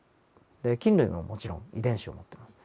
菌類ももちろん遺伝子を持っています。